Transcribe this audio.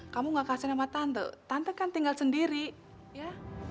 kamu gak kasih nama tante tante kan tinggal sendiri ya